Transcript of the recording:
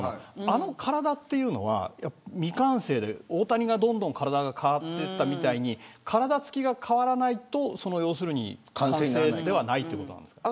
あの体というのは未完成で大谷がどんどん体が変わっていったみたいに体つきが変わらないと完成ではないということなんですか。